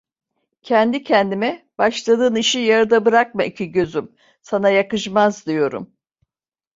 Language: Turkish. Kendi kendime: "Başladığın işi yarıda bırakma iki gözüm, sana yakışmaz!" diyorum.